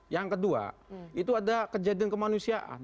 yang kedua itu ada kejadian kemanusiaan